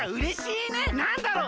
なんだろう？